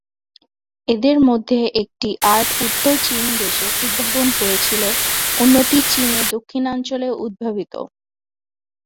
এদের মধ্যে একটি আর্ট উত্তর চীন দেশে উদ্ভাবন হয়েছিল, অন্যটি চীনের দক্ষিণাঞ্চলে উদ্ভাবিত।